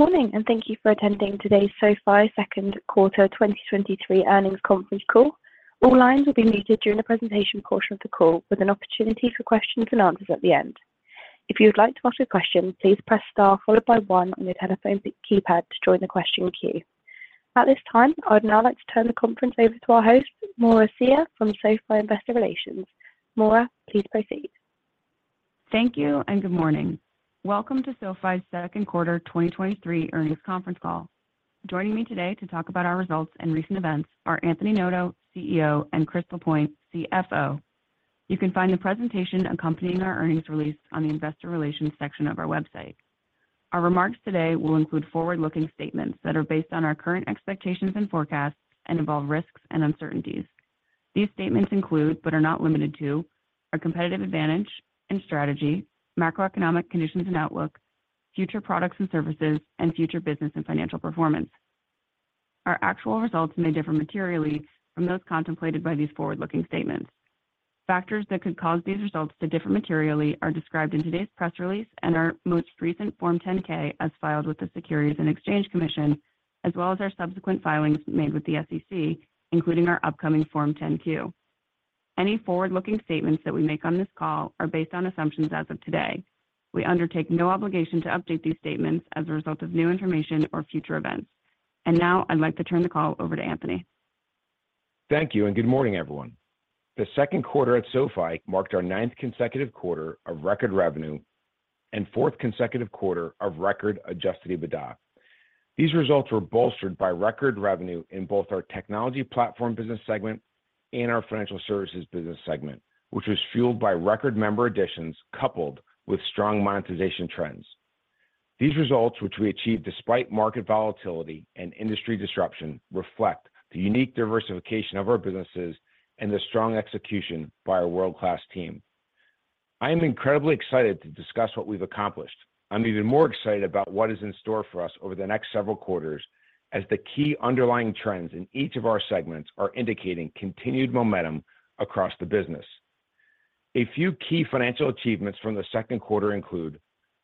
Good morning, and thank you for attending today's SoFi Q2 2023 Earnings Conference Call. All lines will be muted during the presentation portion of the call, with an opportunity for questions and answers at the end. If you would like to ask a question, please press star followed by one on your telephone keypad to join the question queue. At this time, I'd now like to turn the conference over to our host, Maura Cyr from SoFi Investor Relations. Maura, please proceed. Thank you and good morning. Welcome to SoFi's Q2 2023 Earnings Conference Call. Joining me today to talk about our results and recent events are Anthony Noto, CEO, and Chris Lapointe, CFO. You can find the presentation accompanying our earnings release on the investor relations section of our website. Our remarks today will include forward-looking statements that are based on our current expectations and forecasts and involve risks and uncertainties. These statements include, but are not limited to, our competitive advantage and strategy, macroeconomic conditions and outlook, future products and services, and future business and financial performance. Our actual results may differ materially from those contemplated by these forward-looking statements. Factors that could cause these results to differ materially are described in today's press release and our most recent Form 10-K, as filed with the Securities and Exchange Commission, as well as our subsequent filings made with the SEC, including our upcoming Form 10-Q. Any forward-looking statements that we make on this call are based on assumptions as of today. We undertake no obligation to update these statements as a result of new information or future events. Now, I'd like to turn the call over to Anthony. Thank you, and good morning, everyone. The Q2 at SoFi marked our ninth consecutive quarter of record revenue and fourth consecutive quarter of record adjusted EBITDA. These results were bolstered by record revenue in both our Technology Platform business segment and our Financial Services business segment, which was fueled by record member additions, coupled with strong monetization trends. These results, which we achieved despite market volatility and industry disruption, reflect the unique diversification of our businesses and the strong execution by our world-class team. I am incredibly excited to discuss what we've accomplished. I'm even more excited about what is in store for us over the next several quarters, as the key underlying trends in each of our segments are indicating continued momentum across the business. A few key financial achievements from the Q2 include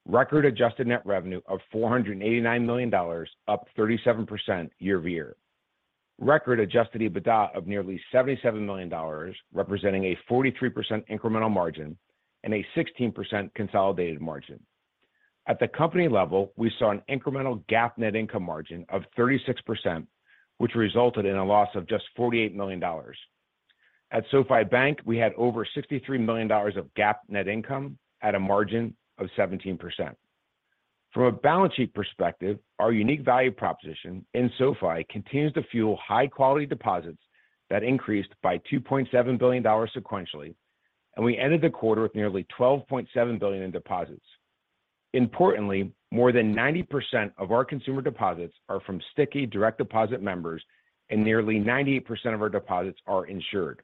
record adjusted net revenue of $489 million, up 37% year-over-year. Record adjusted EBITDA of nearly $77 million, representing a 43% incremental margin and a 16% consolidated margin. At the company level, we saw an incremental GAAP net income margin of 36%, which resulted in a loss of just $48 million. At SoFi Bank, we had over $63 million of GAAP net income at a margin of 17%. From a balance sheet perspective, our unique value proposition in SoFi continues to fuel high-quality deposits that increased by $2.7 billion sequentially, and we ended the quarter with nearly $12.7 billion in deposits. Importantly, more than 90% of our consumer deposits are from sticky direct deposit members, and nearly 98% of our deposits are insured.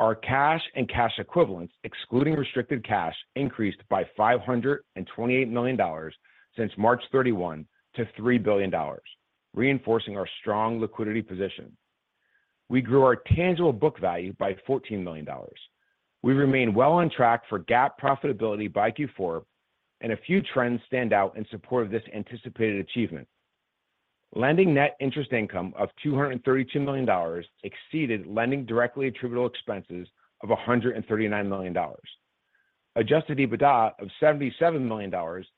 Our cash and cash equivalents, excluding restricted cash, increased by $528 million since March 31 to $3 billion, reinforcing our strong liquidity position. We grew our tangible book value by $14 million. We remain well on track for GAAP profitability by Q4, and a few trends stand out in support of this anticipated achievement. Lending net interest income of $232 million exceeded lending directly attributable expenses of $139 million. Adjusted EBITDA of $77 million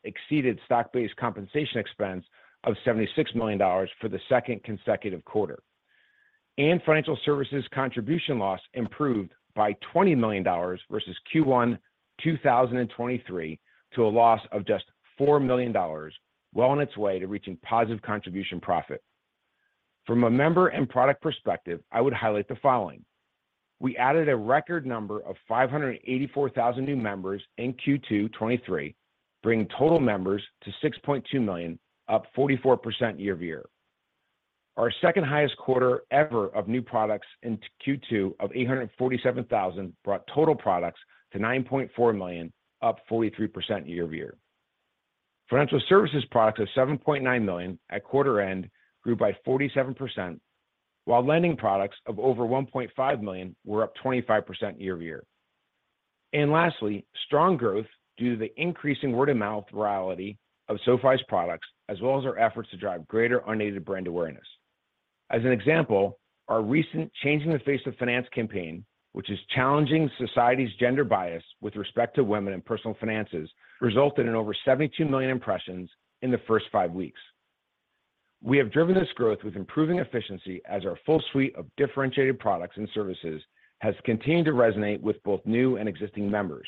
exceeded stock-based compensation expense of $76 million for the second consecutive quarter. Financial services contribution loss improved by $20 million versus Q1 2023 to a loss of just $4 million, well on its way to reaching positive contribution profit. From a member and product perspective, I would highlight the following: We added a record number of 584,000 new members in Q2 2023, bringing total members to 6.2 million, up 44% year-over-year. Our second highest quarter ever of new products in Q2 of 847,000 brought total products to 9.4 million, up 43% year-over-year. Financial services products of $7.9 million at quarter end grew by 47%, while lending products of over $1.5 million were up 25% year-over-year. Lastly, strong growth due to the increasing word-of-mouth virality of SoFi's products, as well as our efforts to drive greater unaided brand awareness. As an example, our recent Changing the Face of Finance campaign, which is challenging society's gender bias with respect to women in personal finances, resulted in over 72 million impressions in the first five weeks. We have driven this growth with improving efficiency, as our full suite of differentiated products and services has continued to resonate with both new and existing members.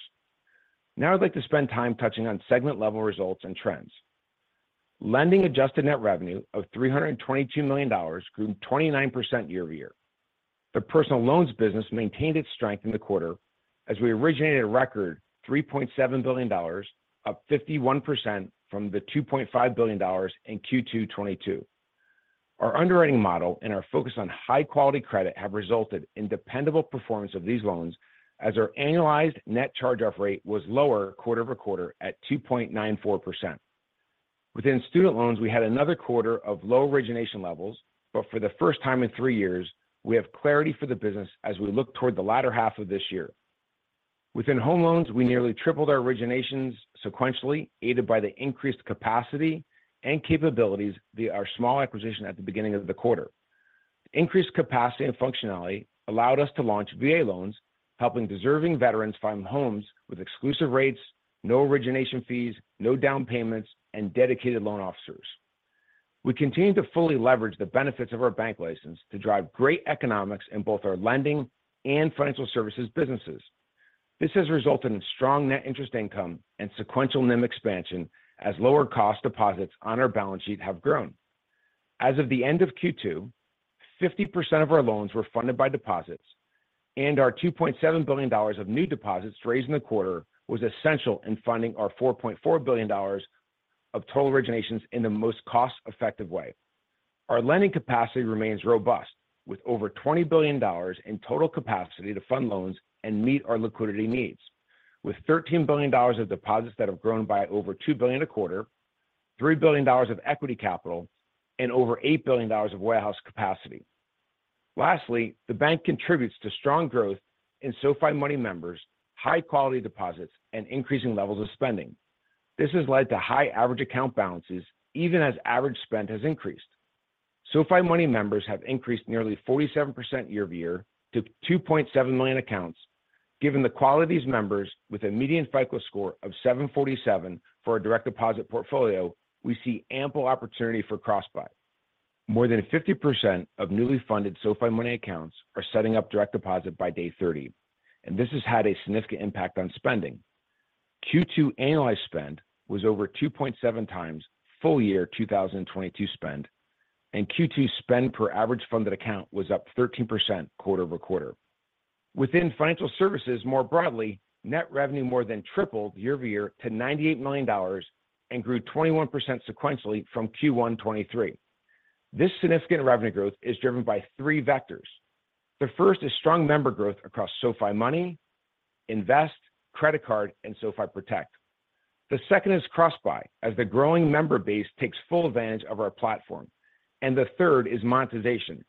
Now, I'd like to spend time touching on segment-level results and trends. Lending adjusted net revenue of $322 million grew 29% year-over-year. The personal loans business maintained its strength in the quarter as we originated a record $3.7 billion, up 51% from the $2.5 billion in Q2 2022. Our underwriting model and our focus on high-quality credit have resulted in dependable performance of these loans, as our annualized net charge-off rate was lower quarter-over-quarter at 2.94%. Within student loans, we had another quarter of low origination levels, for the first time in three years, we have clarity for the business as we look toward the latter half of this year. Within home loans, we nearly tripled our originations sequentially, aided by the increased capacity and capabilities via our small acquisition at the beginning of the quarter. Increased capacity and functionality allowed us to launch VA loan, helping deserving veterans find homes with exclusive rates, no origination fees, no down payments, and dedicated loan officers. We continue to fully leverage the benefits of our bank license to drive great economics in both our lending and financial services businesses. This has resulted in strong net interest income and sequential NIM expansion as lower cost deposits on our balance sheet have grown. As of the end of Q2, 50% of our loans were funded by deposits, Our $2.7 billion of new deposits raised in the quarter was essential in funding our $4.4 billion of total originations in the most cost-effective way. Our lending capacity remains robust, with over $20 billion in total capacity to fund loans and meet our liquidity needs, with $13 billion of deposits that have grown by over $2 billion a quarter, $3 billion of equity capital, and over $8 billion of warehouse capacity. Lastly, the bank contributes to strong growth in SoFi Money members, high-quality deposits, and increasing levels of spending. This has led to high average account balances, even as average spend has increased. SoFi Money members have increased nearly 47% year-over-year to 2.7 million accounts. Given the quality of these members, with a median FICO score of 747 for our direct deposit portfolio, we see ample opportunity for cross-buy. More than 50% of newly funded SoFi Money accounts are setting up direct deposit by day 30. This has had a significant impact on spending. Q2 annualized spend was over 2.7x full year 2022 spend. Q2 spend per average funded account was up 13% quarter-over-quarter. Within financial services, more broadly, net revenue more than tripled year-over-year to $98 million and grew 21% sequentially from Q1 2023. This significant revenue growth is driven by three vectors. The first is strong member growth across SoFi Money, Invest, Credit Card, and SoFi Protect. The second is cross-buy, as the growing member base takes full advantage of our platform. The third is monetization.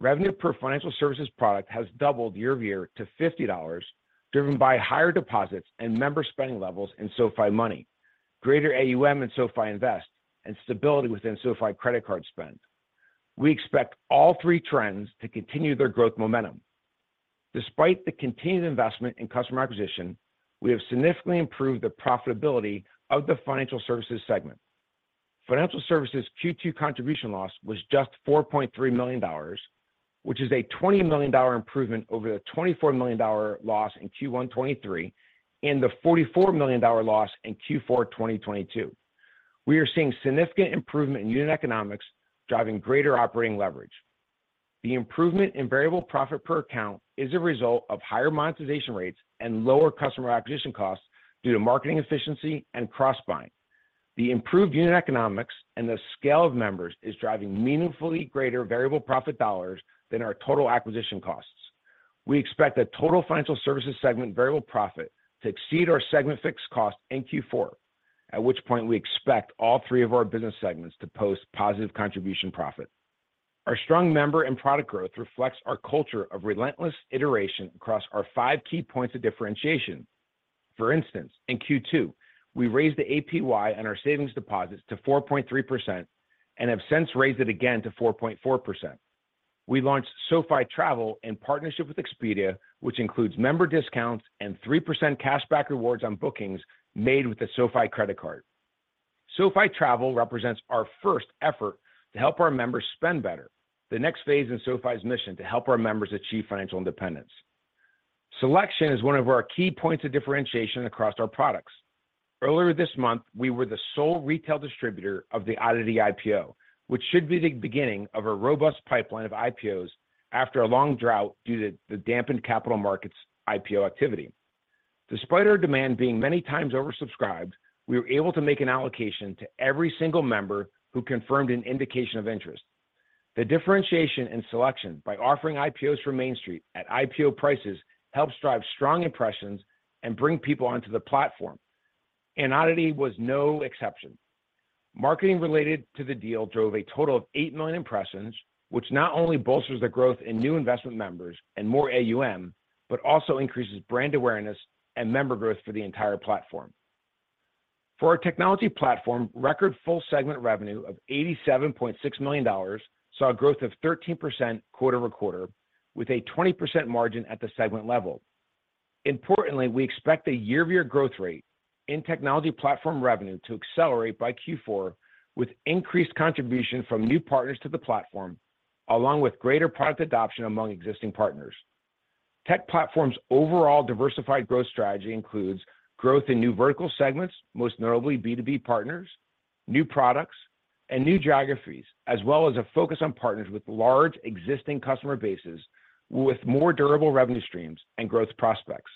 Revenue per financial services product has doubled year-over-year to $50, driven by higher deposits and member spending levels in SoFi Money, greater AUM in SoFi Invest, and stability within SoFi Credit Card spend. We expect all three trends to continue their growth momentum. Despite the continued investment in customer acquisition, we have significantly improved the profitability of the financial services segment. Financial services Q2 contribution loss was just $4.3 million, which is a $20 million improvement over the $24 million loss in Q1 2023 and the $44 million loss in Q4 2022. We are seeing significant improvement in unit economics, driving greater operating leverage. The improvement in variable profit per account is a result of higher monetization rates and lower customer acquisition costs due to marketing efficiency and cross-buying. The improved unit economics and the scale of members is driving meaningfully greater variable profit dollars than our total acquisition costs. We expect the total financial services segment variable profit to exceed our segment fixed cost in Q4, at which point we expect all three of our business segments to post positive contribution profit. Our strong member and product growth reflects our culture of relentless iteration across our five key points of differentiation. For instance, in Q2, we raised the APY on our savings deposits to 4.3% and have since raised it again to 4.4%. We launched SoFi Travel in partnership with Expedia, which includes member discounts and 3% cashback rewards on bookings made with the SoFi Credit Card. SoFi Travel represents our first effort to help our members spend better, the next phase in SoFi's mission to help our members achieve financial independence. Selection is one of our key points of differentiation across our products. Earlier this month, we were the sole retail distributor of the ODDITY IPO, which should be the beginning of a robust pipeline of IPOs after a long drought due to the dampened capital markets IPO activity. Despite our demand being many times oversubscribed, we were able to make an allocation to every single member who confirmed an indication of interest. The differentiation in selection by offering IPOs from Main Street at IPO prices helps drive strong impressions and bring people onto the platform, and ODDITY was no exception. Marketing related to the deal drove a total of 8 million impressions, which not only bolsters the growth in new investment members and more AUM, but also increases brand awareness and member growth for the entire platform. For our technology platform, record full segment revenue of $87.6 million saw a growth of 13% quarter-over-quarter, with a 20% margin at the segment level. Importantly, we expect a year-over-year growth rate in technology platform revenue to accelerate by Q4, with increased contribution from new partners to the platform, along with greater product adoption among existing partners. Tech platform's overall diversified growth strategy includes growth in new vertical segments, most notably B2B partners, new products, and new geographies, as well as a focus on partners with large existing customer bases, with more durable revenue streams and growth prospects.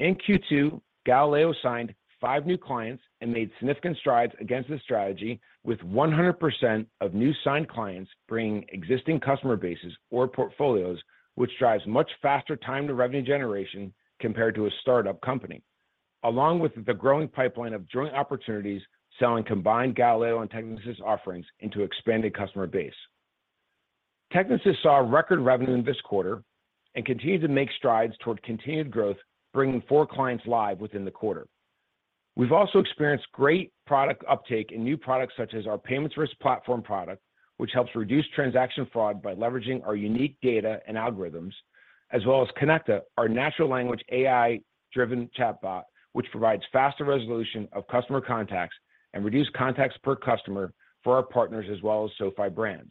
In Q2, Galileo signed five new clients and made significant strides against this strategy, with 100% of new signed clients bringing existing customer bases or portfolios, which drives much faster time to revenue generation compared to a start-up company. Along with the growing pipeline of joint opportunities, selling combined Galileo and Technisys offerings into expanded customer base. Technisys saw record revenue in this quarter and continues to make strides toward continued growth, bringing four clients live within the quarter. We've also experienced great product uptake in new products, such as our Payments Risk Platform product, which helps reduce transaction fraud by leveraging our unique data and algorithms, as well as Konecta, our natural language AI-driven chatbot, which provides faster resolution of customer contacts and reduced contacts per customer for our partners, as well as SoFi brands.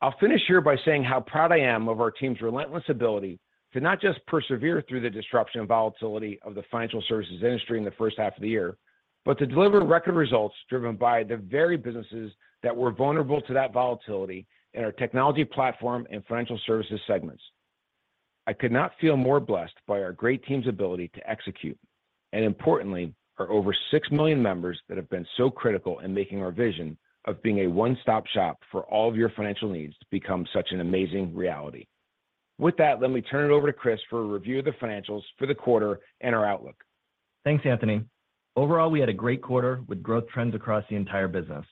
I'll finish here by saying how proud I am of our team's relentless ability to not just persevere through the disruption and volatility of the financial services industry in the first half of the year, but to deliver record results driven by the very businesses that were vulnerable to that volatility in our technology platform and financial services segments. I could not feel more blessed by our great team's ability to execute, and importantly, our over 6 million members that have been so critical in making our vision of being a one-stop shop for all of your financial needs to become such an amazing reality. With that, let me turn it over to Chris for a review of the financials for the quarter and our outlook. Thanks, Anthony. Overall, we had a great quarter with growth trends across the entire business.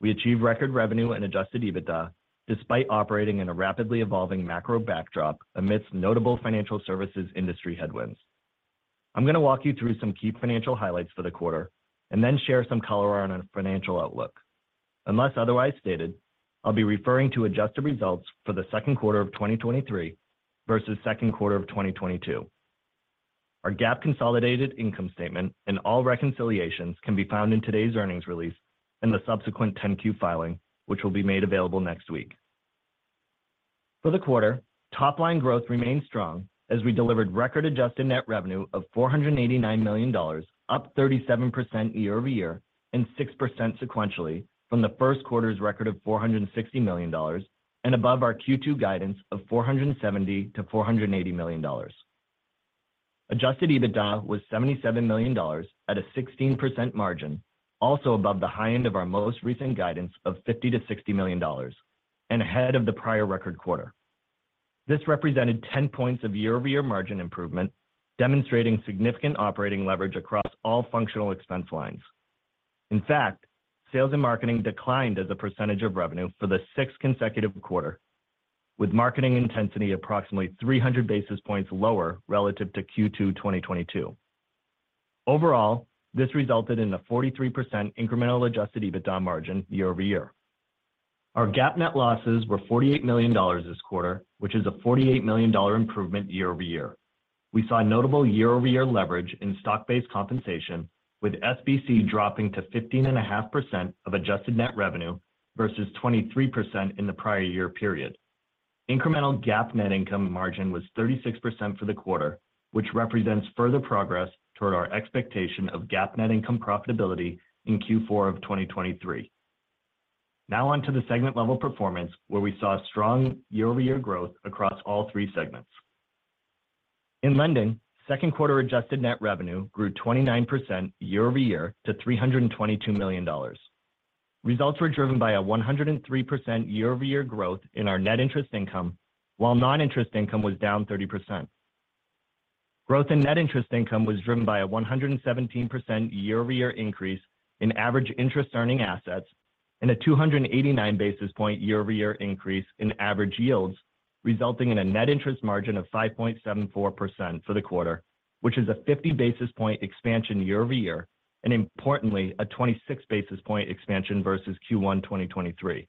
We achieved record revenue and adjusted EBITDA, despite operating in a rapidly evolving macro backdrop amidst notable financial services industry headwinds. I'm going to walk you through some key financial highlights for the quarter and then share some color on our financial outlook. Unless otherwise stated, I'll be referring to adjusted results for the Q2 of 2023 versus Q2 of 2022. Our GAAP consolidated income statement and all reconciliations can be found in today's earnings release and the subsequent 10-Q filing, which will be made available next week. For the quarter, top-line growth remained strong as we delivered record adjusted net revenue of $489 million, up 37% year-over-year and 6% sequentially from the Q1's record of $460 million. Above our Q2 guidance of $470 million-$480 million, adjusted EBITDA was $77 million at a 16% margin, also above the high end of our most recent guidance of $50 million-$60 million and ahead of the prior record quarter. This represented 10 points of year-over-year margin improvement, demonstrating significant operating leverage across all functional expense lines. In fact, sales and marketing declined as a percentage of revenue for the sixth consecutive quarter, with marketing intensity approximately 300 basis points lower relative to Q2 2022. Overall, this resulted in a 43% incremental adjusted EBITDA margin year-over-year. Our GAAP net losses were $48 million this quarter, which is a $48 million improvement year-over-year. We saw notable year-over-year leverage in stock-based compensation, with SBC dropping to 15.5% of adjusted net revenue versus 23% in the prior year period. Incremental GAAP net income margin was 36% for the quarter, which represents further progress toward our expectation of GAAP net income profitability in Q4 of 2023. On to the segment level performance, where we saw strong year-over-year growth across all three segments. In lending, Q2 adjusted net revenue grew 29% year-over-year to $322 million. Results were driven by a 103% year-over-year growth in our net interest income, while non-interest income was down 30%. Growth in net interest income was driven by a 117% year-over-year increase in average interest earning assets and a 289 basis point year-over-year increase in average yields, resulting in a net interest margin of 5.74% for the quarter, which is a 50 basis point expansion year over year, and importantly, a 26 basis point expansion versus Q1 2023.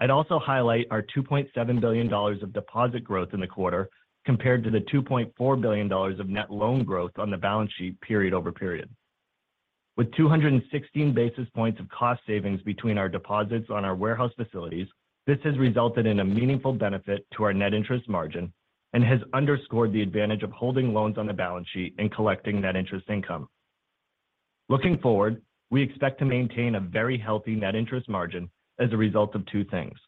I'd also highlight our $2.7 billion of deposit growth in the quarter compared to the $2.4 billion of net loan growth on the balance sheet period over period. With 216 basis points of cost savings between our deposits on our warehouse facilities, this has resulted in a meaningful benefit to our net interest margin and has underscored the advantage of holding loans on the balance sheet and collecting net interest income. Looking forward, we expect to maintain a very healthy net interest margin as a result of two things.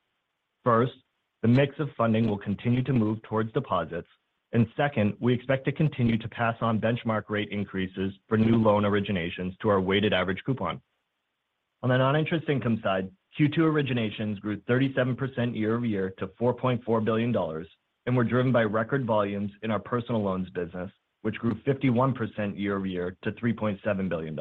First, the mix of funding will continue to move towards deposits. Second, we expect to continue to pass on benchmark rate increases for new loan originations to our weighted average coupon. On the non-interest income side, Q2 originations grew 37% year-over-year to $4.4 billion and were driven by record volumes in our personal loans business, which grew 51% year-over-year to $3.7 billion.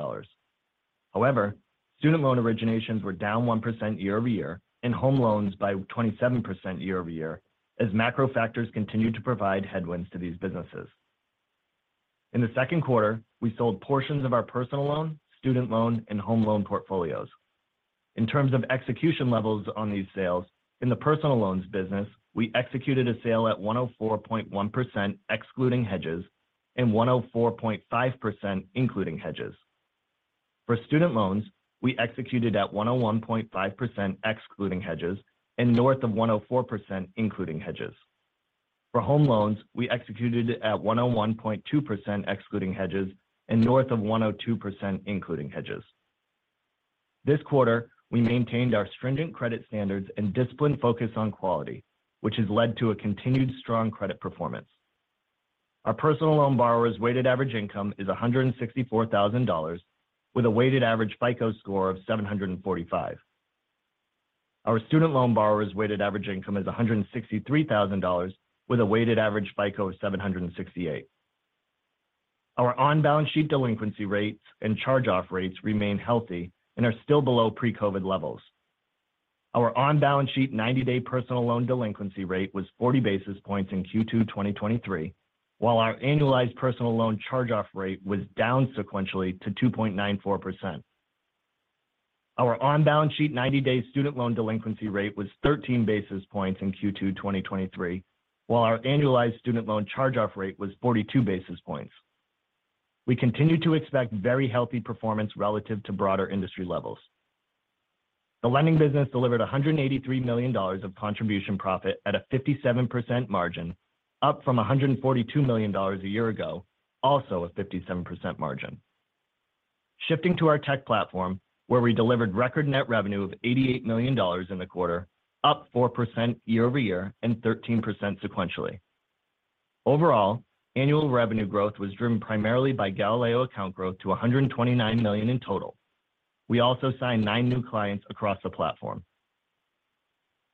However, student loan originations were down 1% year-over-year, and home loans by 27% year-over-year, as macro factors continued to provide headwinds to these businesses. In the Q2, we sold portions of our personal loan, student loan, and home loan portfolios. In terms of execution levels on these sales, in the personal loans business, we executed a sale at 104.1%, excluding hedges, and 104.5%, including hedges. For student loans, we executed at 101.5%, excluding hedges, and north of 104%, including hedges. For home loans, we executed at 101.2%, excluding hedges, and north of 102%, including hedges. This quarter, we maintained our stringent credit standards and disciplined focus on quality, which has led to a continued strong credit performance. Our personal loan borrowers' weighted average income is $164,000, with a weighted average FICO score of 745. Our student loan borrowers' weighted average income is $163,000, with a weighted average FICO of 768. Our on-balance sheet delinquency rates and charge-off rates remain healthy and are still below pre-COVID levels. Our on-balance sheet 90-day personal loan delinquency rate was 40 basis points in Q2 2023, while our annualized personal loan charge-off rate was down sequentially to 2.94%. Our on-balance sheet 90-day student loan delinquency rate was 13 basis points in Q2 2023, while our annualized student loan charge-off rate was 42 basis points. We continue to expect very healthy performance relative to broader industry levels. The lending business delivered $183 million of contribution profit at a 57% margin, up from $142 million a year ago, also a 57% margin. Shifting to our tech platform, where we delivered record net revenue of $88 million in the quarter, up 4% year-over-year and 13% sequentially. Overall, annual revenue growth was driven primarily by Galileo account growth to 129 million in total. We also signed nine new clients across the platform.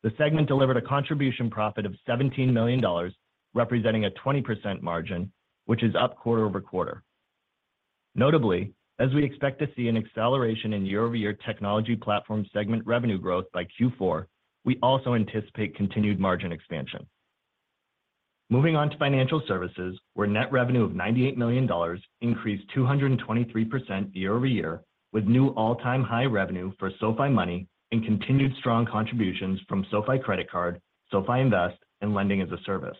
The segment delivered a contribution profit of $17 million, representing a 20% margin, which is up quarter-over-quarter. Notably, as we expect to see an acceleration in year-over-year technology platform segment revenue growth by Q4, we also anticipate continued margin expansion. Moving on to financial services, where net revenue of $98 million increased 223% year-over-year, with new all-time high revenue for SoFi Money and continued strong contributions from SoFi Credit Card, SoFi Invest, and Lending-as-a-Service.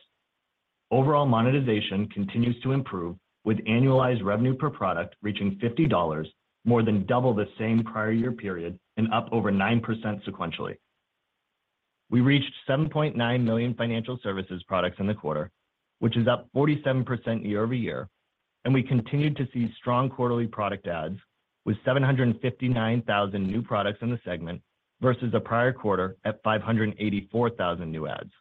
Overall monetization continues to improve, with annualized revenue per product reaching $50, more than double the same prior year period and up over 9% sequentially. We reached 7.9 million financial services products in the quarter, which is up 47% year-over-year, and we continued to see strong quarterly product adds, with 759,000 new products in the segment versus the prior quarter at 584,000 new adds.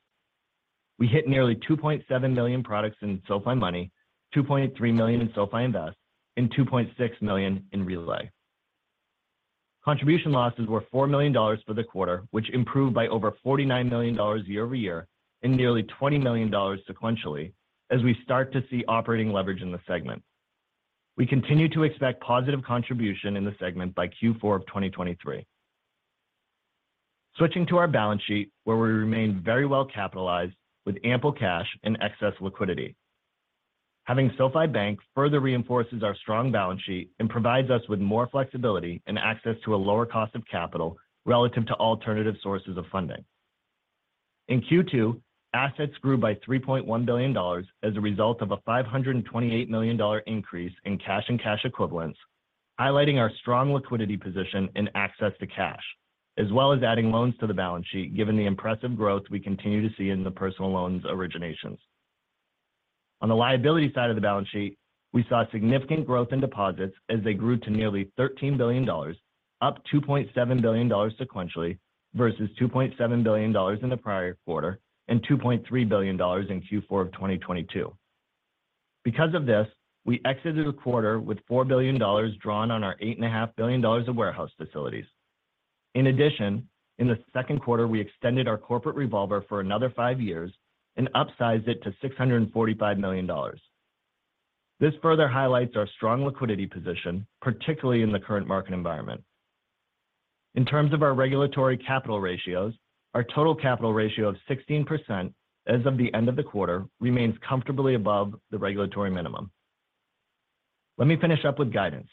We hit nearly 2.7 million products in SoFi Money, 2.3 million in SoFi Invest, and 2.6 million in SoFi Relay. Contribution losses were $4 million for the quarter, which improved by over $49 million year-over-year and nearly $20 million sequentially as we start to see operating leverage in the segment. We continue to expect positive contribution in the segment by Q4 of 2023. Switching to our balance sheet, where we remain very well capitalized with ample cash and excess liquidity. Having SoFi Bank further reinforces our strong balance sheet and provides us with more flexibility and access to a lower cost of capital relative to alternative sources of funding. In Q2, assets grew by $3.1 billion as a result of a $528 million increase in cash and cash equivalents, highlighting our strong liquidity position and access to cash, as well as adding loans to the balance sheet, given the impressive growth we continue to see in the personal loans originations. On the liability side of the balance sheet, we saw significant growth in deposits as they grew to nearly $13 billion, up $2.7 billion sequentially versus $2.7 billion in the prior quarter and $2.3 billion in Q4 of 2022. Because of this, we exited the quarter with $4 billion drawn on our $8.5 billion of warehouse facilities. In addition, in the Q2, we extended our corporate revolver for another five years and upsized it to $645 million. This further highlights our strong liquidity position, particularly in the current market environment. In terms of our regulatory capital ratios, our total capital ratio of 16% as of the end of the quarter, remains comfortably above the regulatory minimum. Let me finish up with guidance.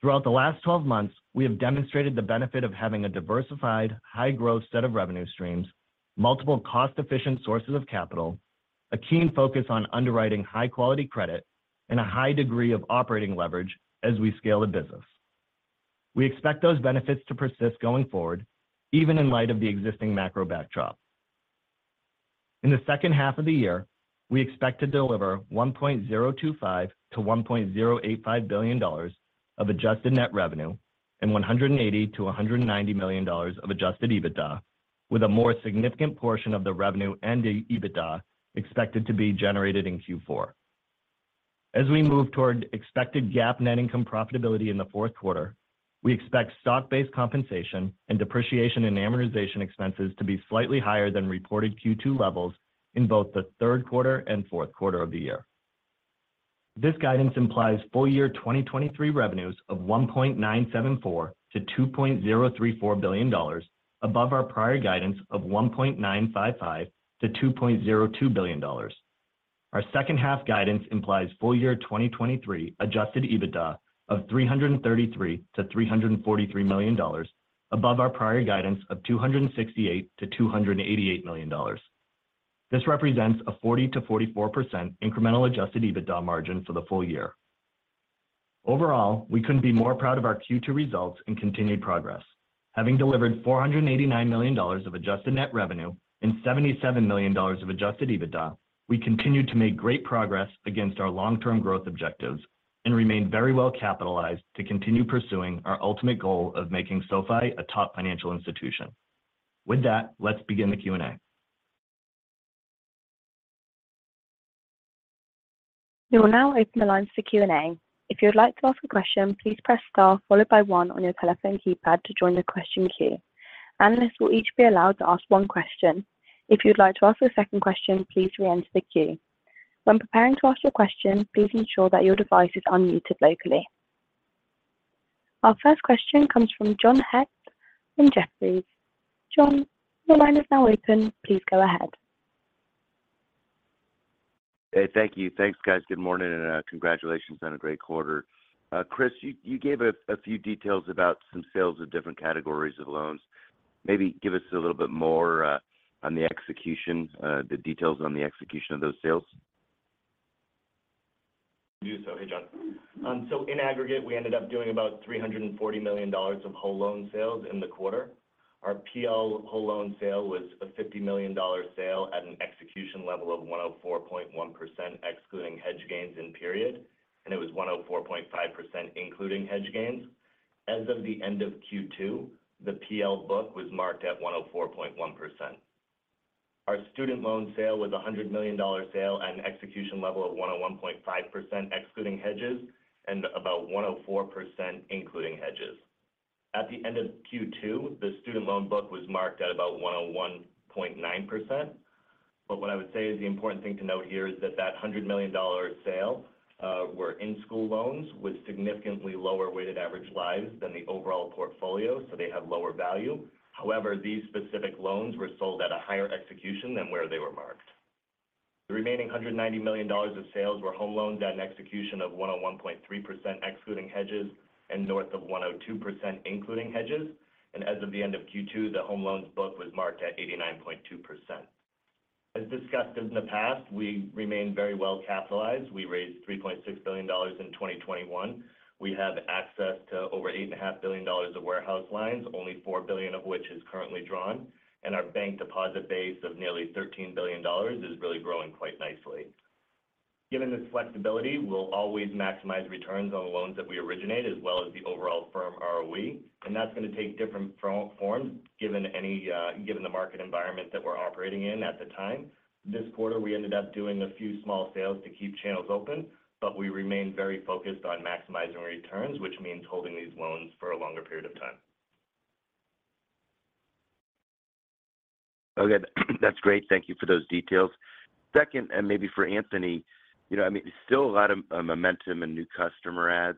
Throughout the last 12 months, we have demonstrated the benefit of having a diversified, high-growth set of revenue streams, multiple cost-efficient sources of capital, a keen focus on underwriting high-quality credit, and a high degree of operating leverage as we scale the business. We expect those benefits to persist going forward, even in light of the existing macro backdrop. In the second half of the year, we expect to deliver $1.025 billion-$1.085 billion of adjusted net revenue and $180 million-$190 million of adjusted EBITDA, with a more significant portion of the revenue and the EBITDA expected to be generated in Q4. As we move toward expected GAAP net income profitability in the Q4, we expect stock-based compensation and depreciation and amortization expenses to be slightly higher than reported Q2 levels in both the Q3 and Q4 of the year. This guidance implies full year 2023 revenues of $1.974 billion-$2.034 billion above our prior guidance of $1.955 billion-$2.02 billion. Our second half guidance implies full year 2023 adjusted EBITDA of $333 million-$343 million above our prior guidance of $268 million-$288 million. This represents a 40%-44% incremental adjusted EBITDA margin for the full year. Overall, we couldn't be more proud of our Q2 results and continued progress. Having delivered $489 million of adjusted net revenue and $77 million of adjusted EBITDA, we continue to make great progress against our long-term growth objectives and remain very well capitalized to continue pursuing our ultimate goal of making SoFi a top financial institution. With that, let's begin the Q&A. We will now open the lines for Q&A. If you would like to ask a question, please press star followed by one on your telephone keypad to join the question queue. Analysts will each be allowed to ask one question. If you'd like to ask a second question, please reenter the queue. When preparing to ask your question, please ensure that your device is unmuted locally. Our first question comes from John Hecht from Jefferies. John, your line is now open. Please go ahead. Hey, thank you. Thanks, guys. Good morning, and congratulations on a great quarter. Chris, you, you gave a few details about some sales of different categories of loans. Maybe give us a little bit more on the execution, the details on the execution of those sales. Do so. Hey, John. So in aggregate, we ended up doing about $340 million of whole loan sales in the quarter. Our PL whole loan sale was a $50 million sale at an execution level of 104.1%, excluding hedge gains in period, and it was 104.5%, including hedge gains. As of the end of Q2, the PL book was marked at 104.1%. Our student loan sale was a $100 million sale at an execution level of 101.5%, excluding hedges, and about 104%, including hedges. At the end of Q2, the student loan book was marked at about 101.9%. What I would say is the important thing to note here is that that $100 million sale were in-school loans with significantly lower weighted average lives than the overall portfolio, so they have lower value. However, these specific loans were sold at a higher execution than where they were marked. The remaining $190 million of sales were home loans at an execution of 101.3%, excluding hedges, and north of 102%, including hedges. As of the end of Q2, the home loans book was marked at 89.2%. As discussed in the past, we remain very well capitalized. We raised $3.6 billion in 2021. We have access to over $8.5 billion of warehouse lines, only $4 billion of which is currently drawn. Our bank deposit base of nearly $13 billion is really growing quite nicely. Given this flexibility, we'll always maximize returns on loans that we originate, as well as the overall firm ROE. That's going to take different forms, given any given the market environment that we're operating in at the time. This quarter, we ended up doing a few small sales to keep channels open. We remain very focused on maximizing returns, which means holding these loans for a longer period of time. Okay, that's great. Thank you for those details. Second, and maybe for Anthony, you know, I mean, there's still a lot of momentum and new customer adds.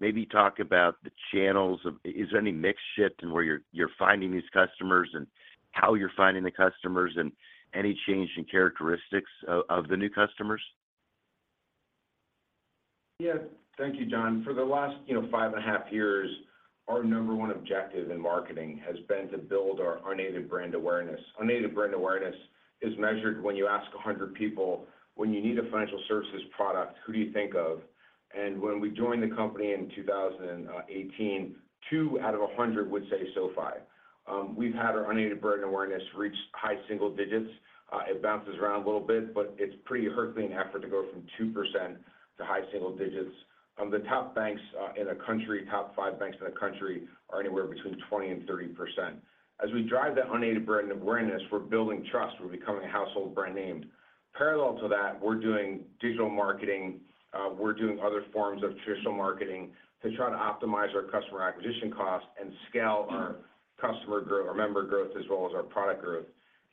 Maybe talk about the channels of... Is there any mix shift in where you're, you're finding these customers and how you're finding the customers, and any change in characteristics of, of the new customers? Yeah. Thank you, John. For the last, you know, five and a half years, our number one objective in marketing has been to build our unaided brand awareness. Unaided brand awareness is measured when you ask 100 people, "When you need a financial services product, who do you think of?" When we joined the company in 2018, two out of 100 would say SoFi. We've had our unaided brand awareness reach high single digits. It bounces around a little bit, but it's pretty herculean effort to go from 2% to high single digits. The top banks in the country, top five banks in the country, are anywhere between 20%-30%. As we drive that unaided brand awareness, we're building trust. We're becoming a household brand name. Parallel to that, we're doing digital marketing, we're doing other forms of traditional marketing to try to optimize our customer acquisition costs and scale our customer growth, our member growth, as well as our product growth.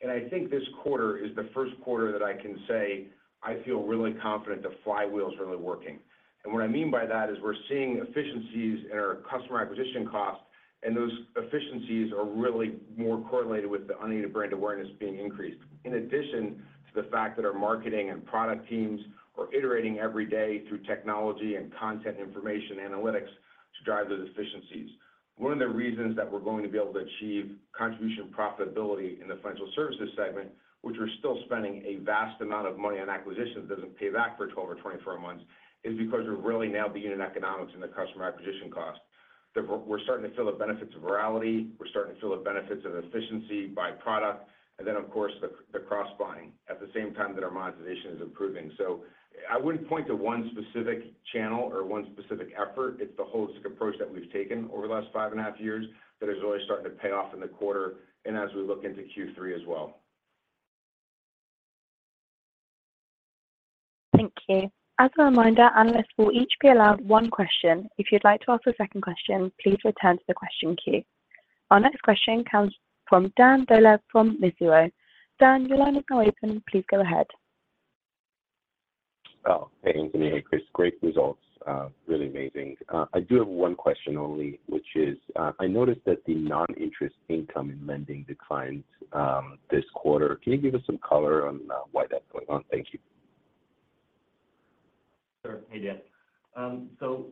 I think this quarter is the Q1 that I can say I feel really confident the flywheel is really working. What I mean by that is we're seeing efficiencies in our customer acquisition cost, and those efficiencies are really more correlated with the unaided brand awareness being increased. In addition to the fact that our marketing and product teams are iterating every day through technology and content information analytics to drive those efficiencies. One of the reasons that we're going to be able to achieve contribution profitability in the financial services segment, which we're still spending a vast amount of money on acquisitions, doesn't pay back for 12 or 24 months, is because we're really now the unit economics and the customer acquisition cost. We're starting to feel the benefits of virality. We're starting to feel the benefits of efficiency by product, and then, of course, the cross-buying at the same time that our monetization is improving. I wouldn't point to one specific channel or one specific effort. It's the holistic approach that we've taken over the last five and a half years that is really starting to pay off in the quarter and as we look into Q3 as well. Thank you. As a reminder, analysts will each be allowed one question. If you'd like to ask a second question, please return to the question queue. Our next question comes from Dan Dolev from Mizuho. Dan, your line is now open. Please go ahead. Oh, hey, Anthony. Hey, Chris. Great results. really amazing. I do have one question only, which is, I noticed that the non-interest income in lending declined, this quarter. Can you give us some color on, why that's going on? Thank you. Sure. Hey, Dan. So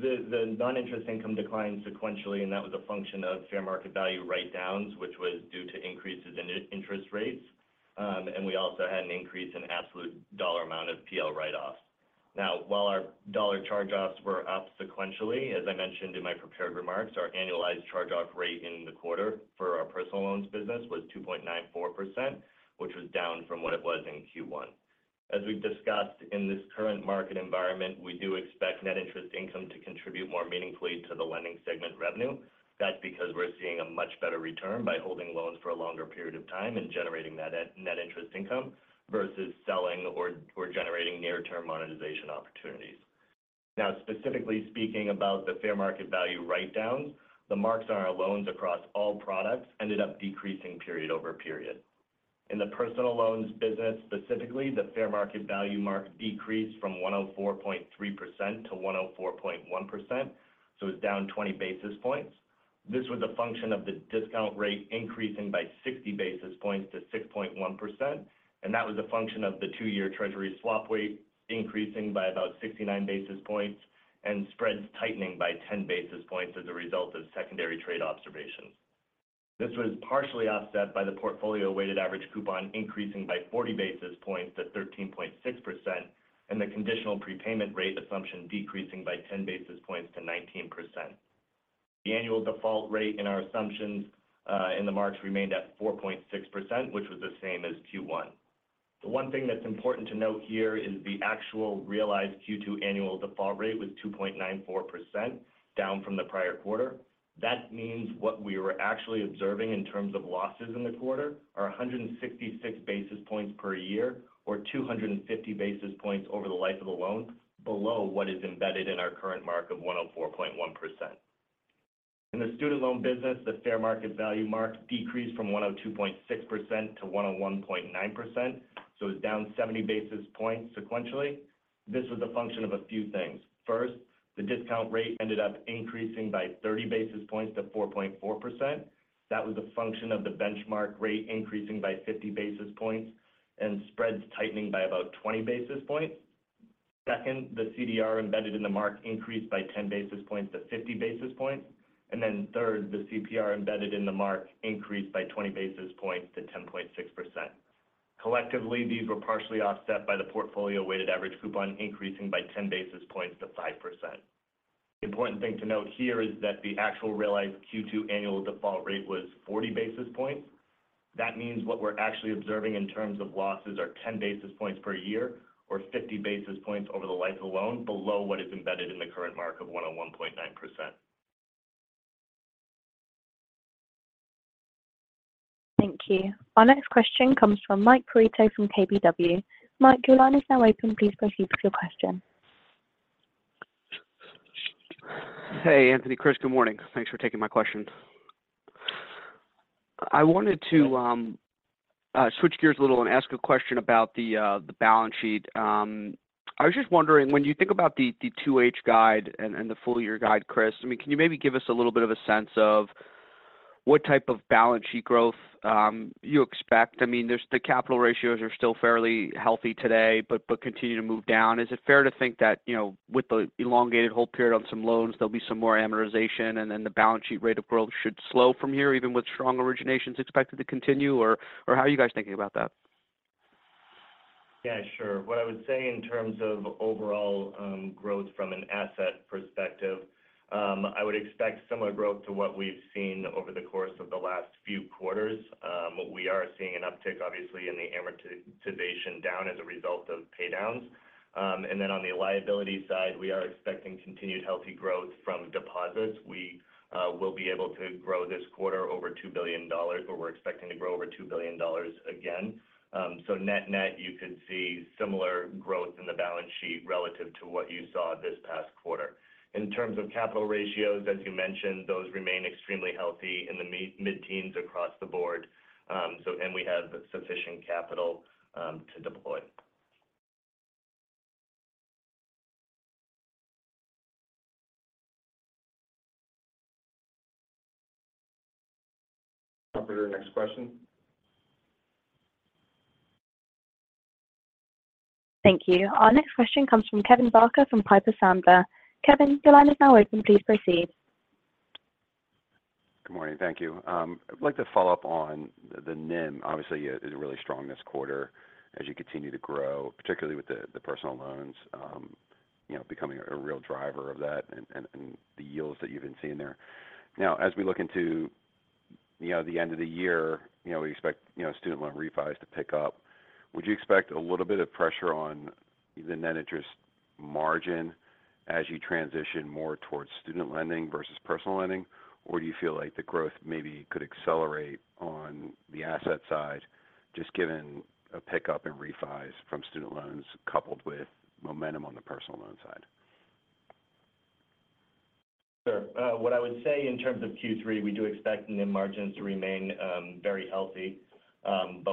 the non-interest income declined sequentially, and that was a function of fair market value write-downs, which was due to increases in interest rates. We also had an increase in absolute dollar amount of PL write-offs. While our dollar charge-offs were up sequentially, as I mentioned in my prepared remarks, our annualized charge-off rate in the quarter for our personal loans business was 2.94%, which was down from what it was in Q1. As we've discussed in this current market environment, we do expect net interest income to contribute more meaningfully to the lending segment revenue. That's because we're seeing a much better return by holding loans for a longer period of time and generating that at net interest income versus selling or, or generating near-term monetization opportunities. Now, specifically speaking about the fair market value write-downs, the marks on our loans across all products ended up decreasing period over period. In the personal loans business, specifically, the fair market value mark decreased from 104.3%-104.1%, so it's down 20 basis points. This was a function of the discount rate increasing by 60 basis points to 6.1%, and that was a function of the two-year treasury swap rate increasing by about 69 basis points and spreads tightening by 10 basis points as a result of secondary trade observations. This was partially offset by the portfolio weighted average coupon increasing by 40 basis points to 13.6%, and the conditional prepayment rate assumption decreasing by 10 basis points to 19%. The annual default rate in our assumptions, in the marks remained at 4.6%, which was the same as Q1. The one thing that's important to note here is the actual realized Q2 annual default rate was 2.94%, down from the prior quarter. That means what we were actually observing in terms of losses in the quarter are 166 basis points per year, or 250 basis points over the life of the loan, below what is embedded in our current mark of 104.1%. In the student loan business, the fair market value mark decreased from 102.6%-101.9%, so it's down 70 basis points sequentially. This was a function of a few things. First, the discount rate ended up increasing by 30 basis points to 4.4%. That was a function of the benchmark rate increasing by 50 basis points and spreads tightening by about 20 basis points. Second, the CDR embedded in the mark increased by 10 basis points to 50 basis points. Third, the CPR embedded in the mark increased by 20 basis points to 10.6%. Collectively, these were partially offset by the portfolio weighted average coupon increasing by 10 basis points to 5%. The important thing to note here is that the actual realized Q2 annual default rate was 40 basis points. That means what we're actually observing in terms of losses are 10 basis points per year or 50 basis points over the life of the loan, below what is embedded in the current mark of 101.9%. Thank you. Our next question comes from Michael Perito from KBW. Mike, your line is now open. Please proceed with your question. Hey, Anthony, Chris, good morning. Thanks for taking my questions. I wanted to switch gears a little and ask a question about the balance sheet. I was just wondering, when you think about the 2H guide and the full year guide, Chris, I mean, can you maybe give us a little bit of a sense of what type of balance sheet growth you expect? I mean, the capital ratios are still fairly healthy today, but continue to move down. Is it fair to think that, you know, with the elongated hold period on some loans, there'll be some more amortization, and then the balance sheet rate of growth should slow from here, even with strong originations expected to continue? How are you guys thinking about that? Yeah, sure. What I would say in terms of overall growth from an asset perspective, I would expect similar growth to what we've seen over the course of the last few quarters. We are seeing an uptick, obviously, in the amortization down as a result of paydowns. On the liability side, we are expecting continued healthy growth from deposits. We will be able to grow this quarter over $2 billion, but we're expecting to grow over $2 billion again. Net-net, you could see similar growth in the balance sheet relative to what you saw this past quarter. In terms of capital ratios, as you mentioned, those remain extremely healthy in the mid-teens across the board. We have sufficient capital to deploy. Operator, next question. Thank you. Our next question comes from Kevin Barker, from Piper Sandler. Kevin, your line is now open. Please proceed. Good morning. Thank you. I'd like to follow up on the NIM. Obviously, it is really strong this quarter as you continue to grow, particularly with the, the personal loans, you know, becoming a real driver of that and, and, and the yields that you've been seeing there. As we look into, you know, the end of the year, you know, we expect, you know, student loan refis to pick up. Would you expect a little bit of pressure on the net interest margin as you transition more towards student lending versus personal lending? Or do you feel like the growth maybe could accelerate on the asset side, just given a pickup in refis from student loans coupled with momentum on the personal loan side? Sure. What I would say in terms of Q3, we do expect NIM margins to remain very healthy.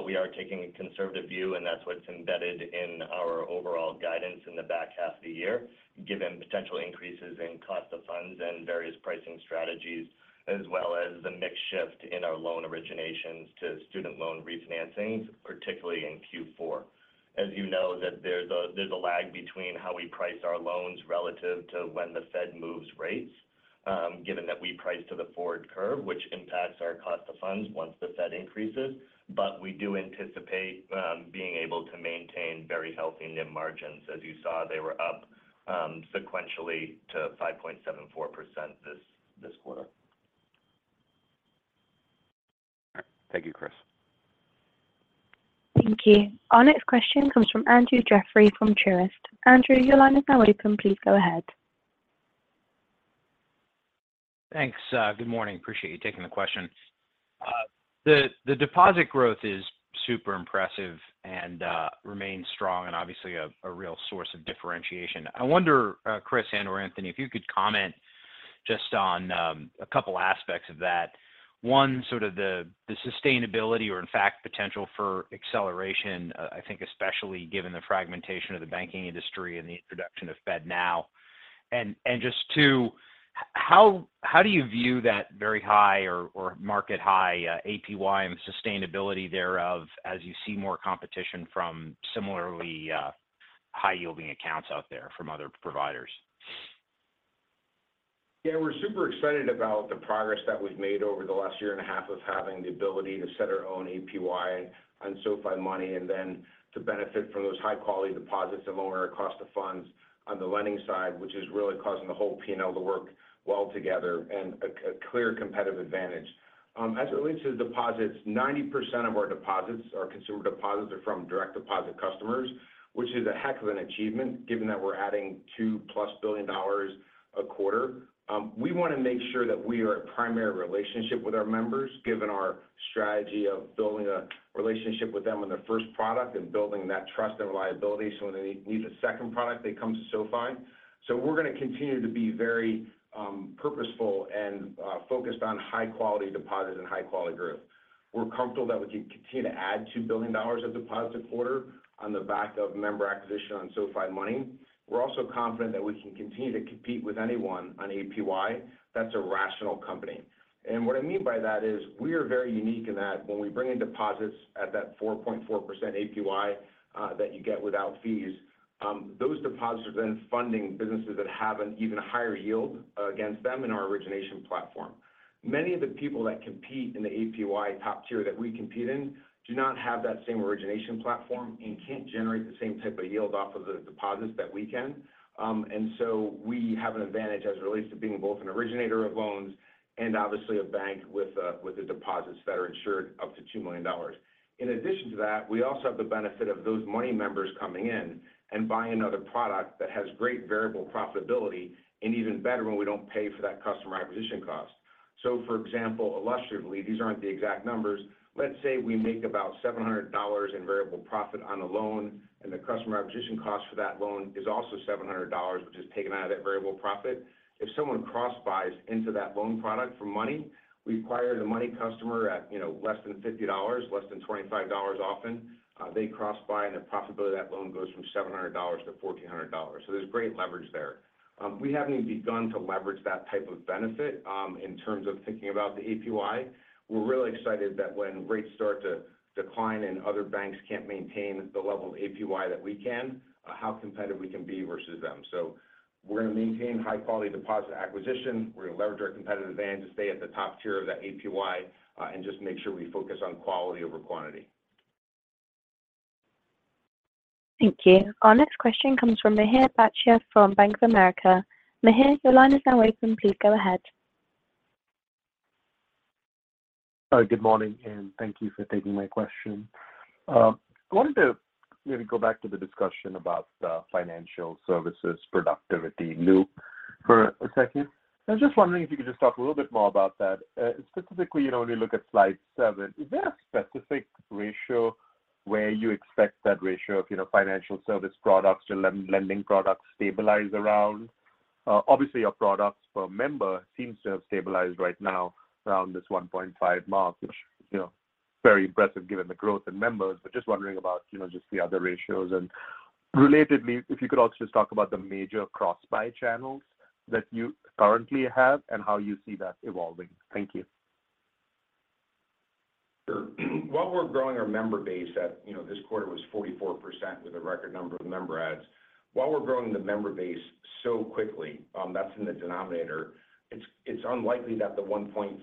We are taking a conservative view, and that's what's embedded in our overall guidance in the back half of the year, given potential increases in cost of funds and various pricing strategies, as well as the mix shift in our loan originations to student loan refinancings, particularly in Q4. As you know, that there's a, there's a lag between how we price our loans relative to when the Fed moves rates, given that we price to the forward curve, which impacts our cost of funds once the Fed increases. We do anticipate being able to maintain very healthy NIM margins. As you saw, they were up sequentially to 5.74% this, this quarter. All right. Thank you, Chris. Thank you. Our next question comes from Andrew Jeffrey from Truist. Andrew, your line is now open. Please go ahead. Thanks, good morning. Appreciate you taking the question. The, the deposit growth is super impressive and remains strong and obviously a, a real source of differentiation. I wonder, Chris and or Anthony, if you could comment just on a couple aspects of that. One, sort of the, the sustainability or in fact, potential for acceleration, I think especially given the fragmentation of the banking industry and the introduction of FedNow. Just two, how do you view that very high or, or market high APY and the sustainability thereof as you see more competition from similarly high-yielding accounts out there from other providers? Yeah, we're super excited about the progress that we've made over the last year and a half of having the ability to set our own APY on SoFi Money, and then to benefit from those high-quality deposits of lower cost of funds on the lending side, which is really causing the whole P&L to work well together and a, a clear competitive advantage. As it relates to the deposits, 90% of our deposits, our consumer deposits, are from direct deposit customers, which is a heck of an achievement, given that we're adding $2+ billion a quarter. We want to make sure that we are a primary relationship with our members, given our strategy of building a relationship with them on their first product and building that trust and reliability. When they need a second product, they come to SoFi. We're going to continue to be very purposeful and focused on high-quality deposits and high-quality growth. We're comfortable that we can continue to add $2 billion of deposit a quarter on the back of member acquisition on SoFi Money. We're also confident that we can continue to compete with anyone on APY. That's a rational company. What I mean by that is, we are very unique in that when we bring in deposits at that 4.4% APY that you get without fees, those deposits are then funding businesses that have an even higher yield against them in our origination platform. Many of the people that compete in the APY top tier that we compete in, do not have that same origination platform and can't generate the same type of yield off of the deposits that we can. So we have an advantage as it relates to being both an originator of loans and obviously a bank with a, with the deposits that are insured up to $2 million. In addition to that, we also have the benefit of those Money members coming in and buying another product that has great variable profitability, and even better, when we don't pay for that customer acquisition cost. For example, illustratively, these aren't the exact numbers. Let's say we make about $700 in variable profit on a loan, and the customer acquisition cost for that loan is also $700, which is taken out of that variable profit. If someone cross-buys into that loan product for Money, we acquire the Money customer at, you know, less than $50, less than $25 often. They cross-buy, and the profitability of that loan goes from $700-$1,400. There's great leverage there. We haven't even begun to leverage that type of benefit, in terms of thinking about the APY. We're really excited that when rates start to decline and other banks can't maintain the level of APY that we can, how competitive we can be versus them. We're going to maintain high-quality deposit acquisition. We're going to leverage our competitive advantage to stay at the top tier of that APY, and just make sure we focus on quality over quantity. Thank you. Our next question comes from Mihir Bhatia from Bank of America. Mihir, your line is now open. Please go ahead. Good morning, and thank you for taking my question. I wanted to maybe go back to the discussion about the financial services productivity loop for a second. I was just wondering if you could just talk a little bit more about that. Specifically, you know, when you look at slide seven, is there a specific ratio where you expect that ratio of, you know, financial service products to len- lending products stabilize around? Obviously, your products per member seems to have stabilized right now around this 1.5 mark, which, you know, very impressive given the growth in members. Just wondering about, you know, just the other ratios. Relatedly, if you could also just talk about the major cross-buy channels that you currently have and how you see that evolving. Thank you. Sure. While we're growing our member base at, you know, this quarter was 44% with a record number of member adds. While we're growing the member base so quickly, that's in the denominator, it's, it's unlikely that the 1.5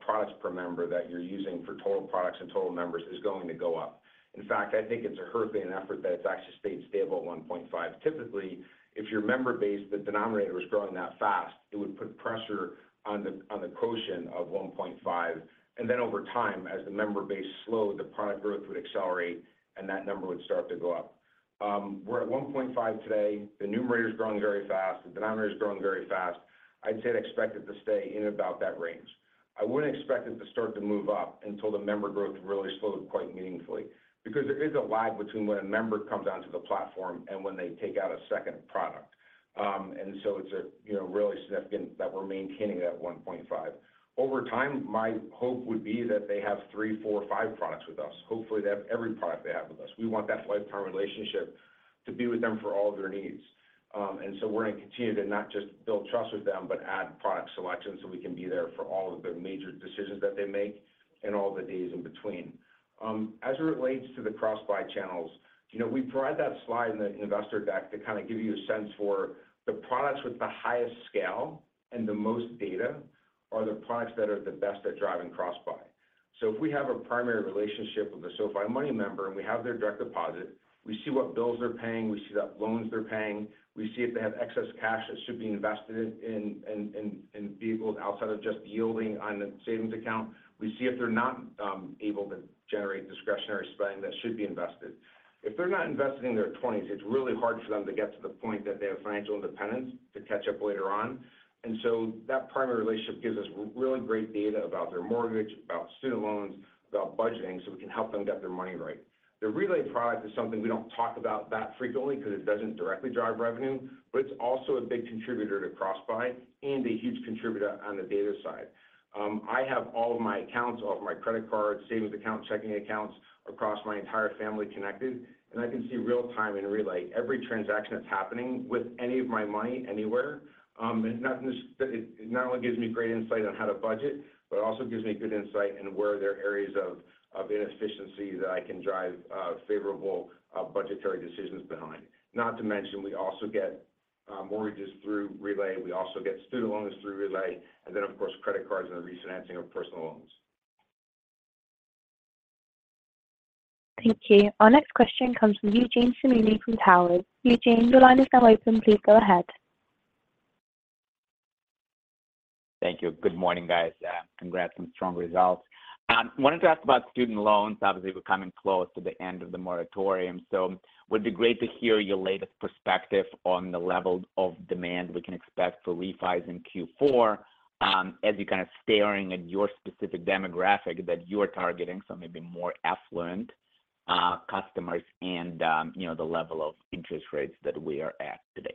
products per member that you're using for total products and total members is going to go up. In fact, I think it's a herculean effort that it's actually stayed stable at 1.5. Typically, if your member base, the denominator, is growing that fast, it would put pressure on the, on the quotient of 1.5, and then over time, as the member base slowed, the product growth would accelerate, and that number would start to go up. We're at 1.5 today. The numerator is growing very fast. The denominator is growing very fast. I'd say I'd expect it to stay in about that range. I wouldn't expect it to start to move up until the member growth really slows quite meaningfully, because there is a lag between when a member comes onto the platform and when they take out a second product. It's a, you know, really significant that we're maintaining that 1.5. Over time, my hope would be that they have three, four, or five products with us. Hopefully, they have every product they have with us. We want that lifetime relationship to be with them for all of their needs. We're going to continue to not just build trust with them, but add product selection, so we can be there for all of the major decisions that they make and all the days in between. As it relates to the cross-buy channels, you know, we provide that slide in the investor deck to kind of give you a sense for the products with the highest scale and the most data are the products that are the best at driving cross-buy. So if we have a primary relationship with a SoFi Money member, and we have their direct deposit, we see what bills they're paying, we see what loans they're paying, we see if they have excess cash that should be invested in vehicles outside of just yielding on the savings account. We see if they're not able to generate discretionary spending that should be invested. If they're not invested in their 20s, it's really hard for them to get to the point that they have financial independence to catch up later on. So that primary relationship gives us really great data about their mortgage, about student loans, about budgeting, so we can help them get their money right. The Relay product is something we don't talk about that frequently because it doesn't directly drive revenue, but it's also a big contributor to cross-buy and a huge contributor on the data side. I have all of my accounts, all of my credit cards, savings accounts, checking accounts across my entire family connected, and I can see real time in Relay, every transaction that's happening with any of my money anywhere. It not only gives me great insight on how to budget, but it also gives me good insight into where there are areas of inefficiency that I can drive favorable budgetary decisions behind. Not to mention, we also get mortgages through Relay. We also get student loans through Relay, and then, of course, credit cards and the refinancing of personal loans. Thank you. Our next question comes from Eugene Simuni from MoffettNathanson. Eugene, your line is now open. Please go ahead. Thank you. Good morning, guys. Congrats on strong results. Wanted to ask about student loans. Obviously, we're coming close to the end of the moratorium, so would be great to hear your latest perspective on the level of demand we can expect for refis in Q4, as you're kind of staring at your specific demographic that you are targeting, so maybe more affluent customers and, you know, the level of interest rates that we are at today.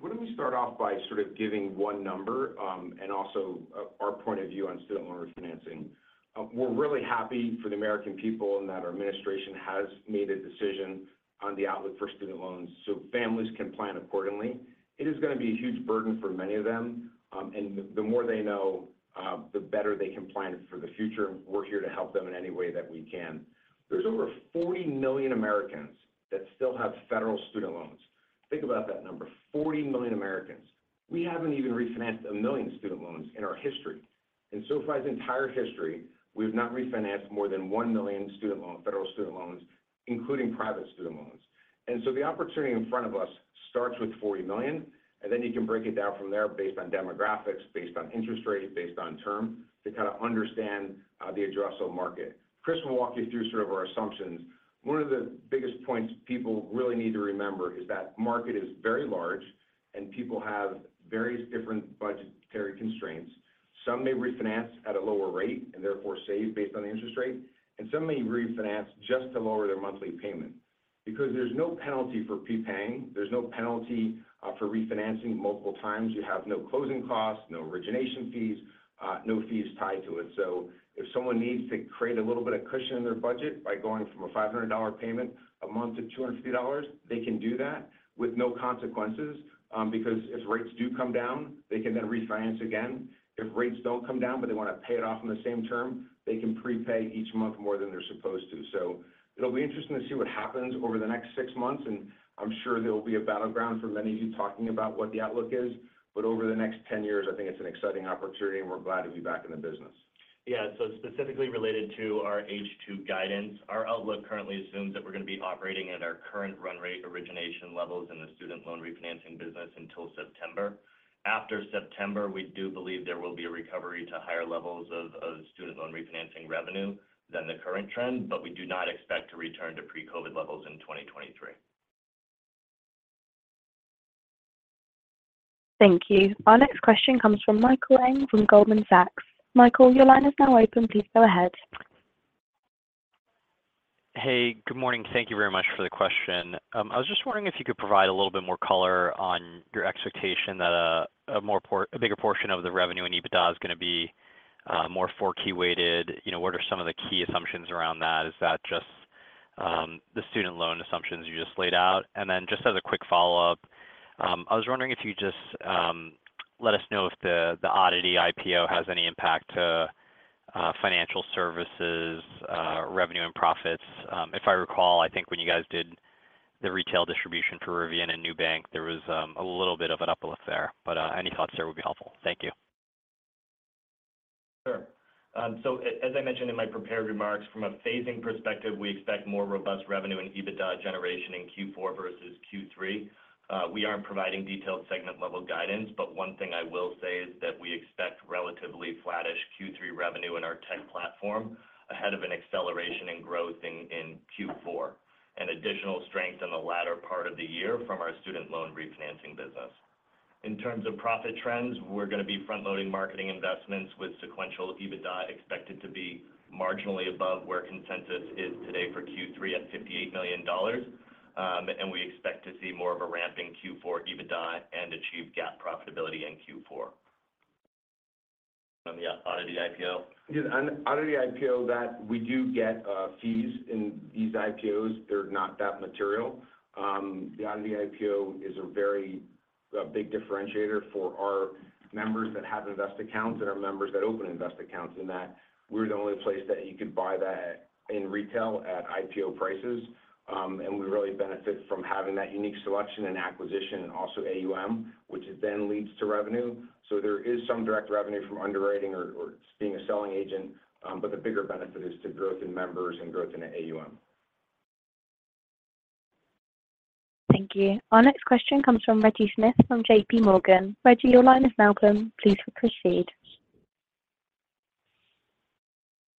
Why don't we start off by sort of giving one number, and also, our point of view on student loan refinancing? We're really happy for the American people, that our administration has made a decision on the outlook for student loans so families can plan accordingly. It is gonna be a huge burden for many of them, the, the more they know, the better they can plan for the future. We're here to help them in any way that we can. There's over 40 million Americans that still have federal student loans. Think about that number, 40 million Americans. We haven't even refinanced 1 million student loans in our history. In SoFi's entire history, we've not refinanced more than 1 million student loans- federal student loans, including private student loans. The opportunity in front of us starts with $40 million, and then you can break it down from there based on demographics, based on interest rate, based on term, to kind of understand the addressable market. Chris will walk you through sort of our assumptions. One of the biggest points people really need to remember is that market is very large, and people have various different budgetary constraints. Some may refinance at a lower rate and therefore save based on the interest rate, and some may refinance just to lower their monthly payment. There's no penalty for prepaying, there's no penalty for refinancing multiple times. You have no closing costs, no origination fees, no fees tied to it. If someone needs to create a little bit of cushion in their budget by going from a $500 payment a month to $250, they can do that with no consequences. Because if rates do come down, they can then refinance again. If rates don't come down, but they want to pay it off on the same term, they can prepay each month more than they're supposed to. It'll be interesting to see what happens over the next six months, and I'm sure there will be a battleground for many of you talking about what the outlook is. Over the next 10 years, I think it's an exciting opportunity, and we're glad to be back in the business. Yeah. Specifically related to our H2 guidance, our outlook currently assumes that we're going to be operating at our current run rate origination levels in the student loan refinancing business until September. After September, we do believe there will be a recovery to higher levels of student loan refinancing revenue than the current trend, but we do not expect to return to pre-COVID levels in 2023. Thank you. Our next question comes from Michael Ng from Goldman Sachs. Michael, your line is now open. Please go ahead. Hey, good morning. Thank you very much for the question. I was just wondering if you could provide a little bit more color on your expectation that a bigger portion of the revenue and EBITDA is going to be more Q4 weighted. You know, what are some of the key assumptions around that? Is that just the student loan assumptions you just laid out? Just as a quick follow-up, I was wondering if you'd just let us know if the ODDITY IPO has any impact to financial services revenue and profits. If I recall, I think when you guys did the retail distribution for Rivian and Nubank, there was a little bit of an uplift there, but any thoughts there would be helpful. Thank you. Sure. So as I mentioned in my prepared remarks, from a phasing perspective, we expect more robust revenue and EBITDA generation in Q4 versus Q3. We aren't providing detailed segment-level guidance, but one thing I will say is that we expect relatively flattish Q3 revenue in our Tech platform, ahead of an acceleration in growth in Q4. Additional strength in the latter part of the year from our student loan refinancing business. In terms of profit trends, we're going to be front-loading marketing investments with sequential EBITDA, expected to be marginally above where consensus is today for Q3 at $58 million. We expect to see more of a ramp in Q4 EBITDA and achieve GAAP profitability in Q4 on the ODDITY IPO. Yeah, on ODDITY IPO, that we do get fees in these IPOs, they're not that material. The ODDITY IPO is a very, a big differentiator for our members that have invest accounts and our members that and invest accounts in that. We're the only place that you could buy that in retail at IPO prices. We really benefit from having that unique selection and acquisition, and also AUM, which then leads to revenue. There is some direct revenue from underwriting or, or being a selling agent, but the bigger benefit is to growth in members and growth in the AUM. Thank you. Our next question comes from Reggie Smith from JPMorgan. Reggie, your line is now open. Please proceed.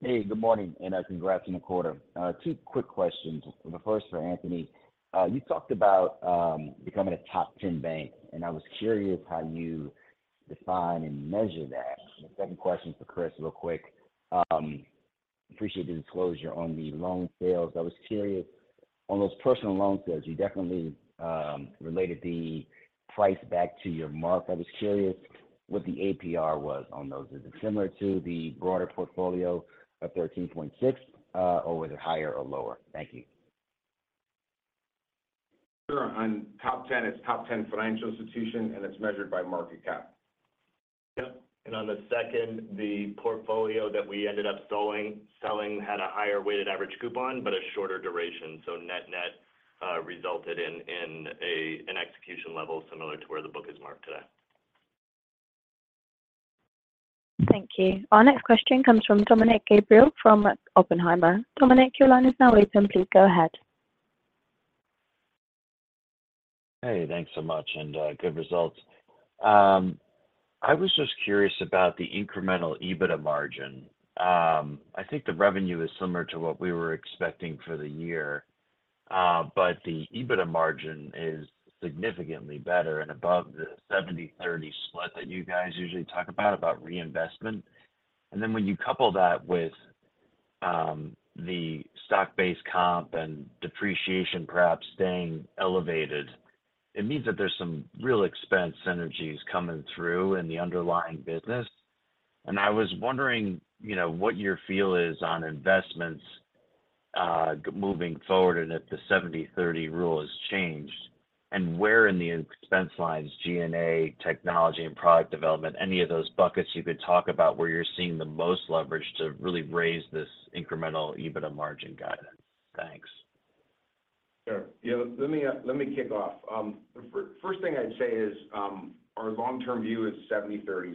Hey, good morning, congrats on the quarter. Two quick questions. The first for Anthony. You talked about becoming a top 10 bank, and I was curious how you define and measure that? The second question is for Chris, real quick. Appreciate the disclosure on the loan sales. I was curious, on those personal loan sales, you definitely related the price back to your mark. I was curious what the APR was on those. Is it similar to the broader portfolio of 13.6, or was it higher or lower? Thank you. Sure. On top 10, it's top 10 financial institution, and it's measured by market cap. Yep. On the second, the portfolio that we ended up selling had a higher weighted average coupon, but a shorter duration. Net-Net, resulted in a an execution level similar to where the book is marked today. Thank you. Our next question comes from Dominick Gabriele from Oppenheimer. Dominick, your line is now open. Please go ahead. Hey, thanks so much, good results. I was just curious about the incremental EBITDA margin. I think the revenue is similar to what we were expecting for the year, but the EBITDA margin is significantly better and above the 70/30 split that you guys usually talk about, about reinvestment. When you couple that with the stock-based comp and depreciation perhaps staying elevated, it means that there's some real expense synergies coming through in the underlying business. I was wondering, you know, what your feel is on investments moving forward, and if the 70/30 rule has changed? Where in the expense lines, G&A, technology and product development, any of those buckets you could talk about where you're seeing the most leverage to really raise this incremental EBITDA margin guidance. Thanks. Sure. Yeah, let me, let me kick off. The first thing I'd say is, our long-term view is 70/30.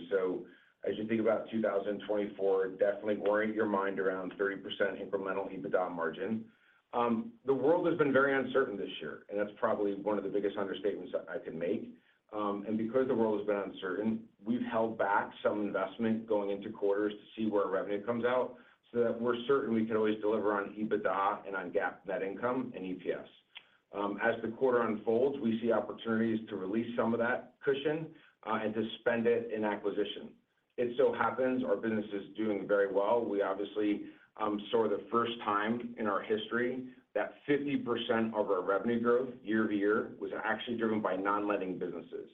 As you think about 2024, definitely orient your mind around 30% incremental EBITDA margin. The world has been very uncertain this year, and that's probably one of the biggest understatements I could make. Because the world has been uncertain, we've held back some investment going into quarters to see where our revenue comes out, so that we're certain we can always deliver on EBITDA and on GAAP, net income and EPS. As the quarter unfolds, we see opportunities to release some of that cushion, and to spend it in acquisition. It so happens our business is doing very well. We obviously saw the first time in our history that 50% of our revenue growth year-over-year was actually driven by non-lending businesses.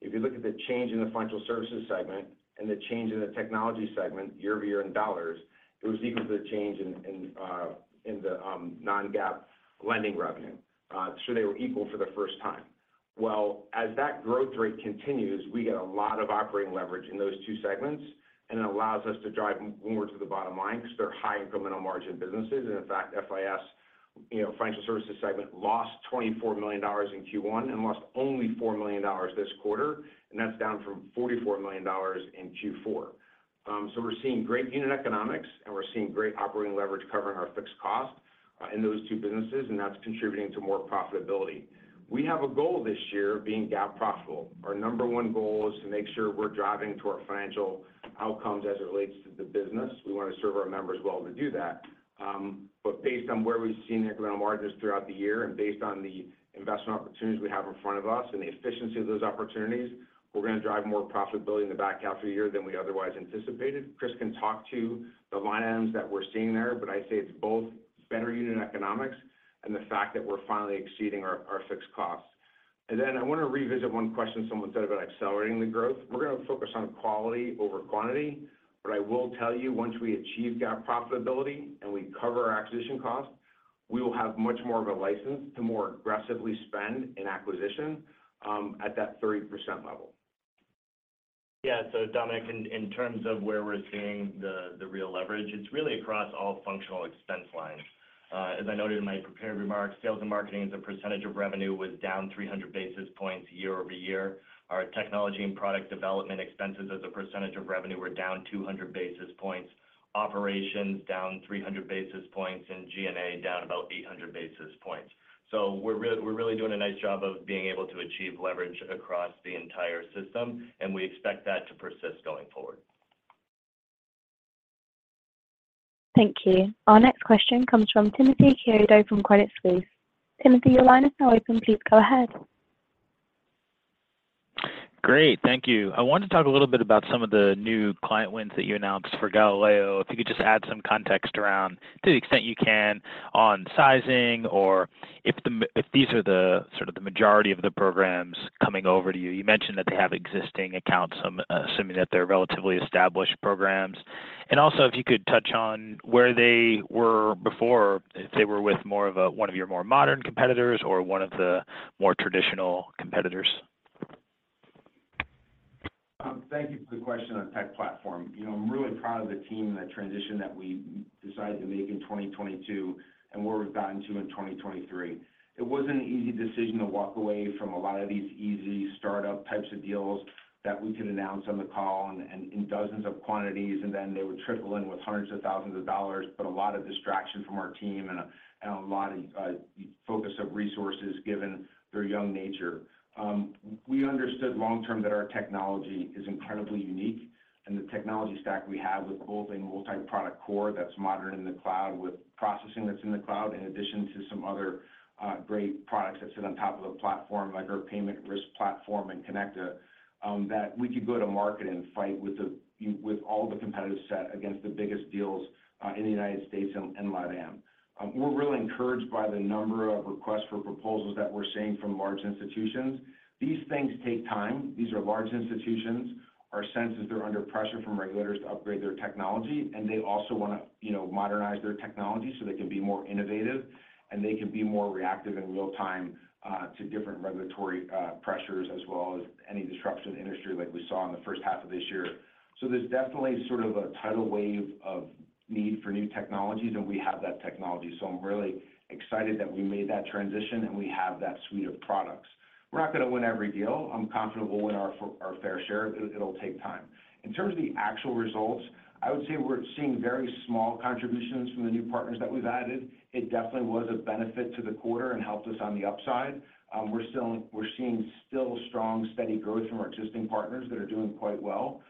If you look at the change in the financial services segment and the change in the technology segment year-over-year in dollars, it was equal to the change in, in the non-GAAP lending revenue. They were equal for the first time. Well, as that growth rate continues, we get a lot of operating leverage in those two segments, and it allows us to drive more to the bottom line because they're high incremental margin businesses. In fact, FIS, you know, financial services segment lost $24 million in Q1 and lost only $4 million this quarter, and that's down from $44 million in Q4. We're seeing great unit economics, and we're seeing great operating leverage covering our fixed costs, in those two businesses, and that's contributing to more profitability. We have a goal this year of being GAAP profitable. Our number one goal is to make sure we're driving to our financial outcomes as it relates to the business. We want to serve our members well to do that. Based on where we've seen incremental margins throughout the year and based on the investment opportunities we have in front of us and the efficiency of those opportunities, we're going to drive more profitability in the back half of the year than we otherwise anticipated. Chris can talk to the line items that we're seeing there, but I'd say it's both better unit economics and the fact that we're finally exceeding our, our fixed costs. I want to revisit one question someone said about accelerating the growth. We're going to focus on quality over quantity, but I will tell you, once we achieve GAAP profitability and we cover our acquisition costs, we will have much more of a license to more aggressively spend in acquisition, at that 30% level. Yeah, Dominick, in terms of where we're seeing the real leverage, it's really across all functional expense lines. As I noted in my prepared remarks, sales and marketing as a percentage of revenue was down 300 basis points year-over-year. Our technology and product development expenses as a percentage of revenue were down 200 basis points, operations down 300 basis points, and G&A down about 800 basis points. We're really doing a nice job of being able to achieve leverage across the entire system, and we expect that to persist going forward. Thank you. Our next question comes from Timothy Chiodo from Credit Suisse. Timothy, your line is now open. Please go ahead. Great. Thank you. I wanted to talk a little bit about some of the new client wins that you announced for Galileo. If you could just add some context around, to the extent you can, on sizing or if these are the sort of the majority of the programs coming over to you. You mentioned that they have existing accounts, assuming that they're relatively established programs. Also, if you could touch on where they were before, if they were with more of one of your more modern competitors or one of the more traditional competitors? Thank you for the question on Tech platform. You know, I'm really proud of the team and the transition that we decided to make in 2022, and where we've gotten to in 2023. It wasn't an easy decision to walk away from a lot of these easy startup types of deals that we could announce on the call and in dozens of quantities, and then they would trickle in with hundreds of thousands of dollars. A lot of distraction from our team and a lot of focus of resources given their young nature. We understood long term that our technology is incredibly unique, and the technology stack we have with both a multi-product core that's modern in the cloud, with processing that's in the cloud, in addition to some other great products that sit on top of the platform, like our Payments Risk Platform and connector. That we could go to market and fight with all the competitive set against the biggest deals in the United States and LatAm. We're really encouraged by the number of requests for proposals that we're seeing from large institutions. These things take time. These are large institutions. Our sense is they're under pressure from regulators to upgrade their technology, and they also want to, you know, modernize their technology so they can be more innovative, and they can be more reactive in real time to different regulatory pressures, as well as any disruption in the industry like we saw in the first half of this year. There's definitely sort of a tidal wave of need for new technologies, and we have that technology. I'm really excited that we made that transition, and we have that suite of products. We're not going to win every deal. I'm comfortable with our fair share. It, it'll take time. In terms of the actual results, I would say we're seeing very small contributions from the new partners that we've added. It definitely was a benefit to the quarter and helped us on the upside. We're still, we're seeing still strong, steady growth from our existing partners that are doing quite well.